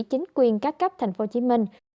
chính quyền các cấp tp hcm